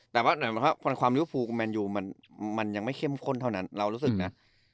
แต่ว่าความลิวฟูของแมนยูมันยังไม่เข้มข้นเท่านั้นเรารู้สึกนะ